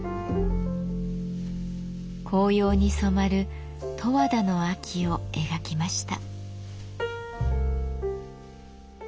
紅葉に染まる十和田の秋を描きました。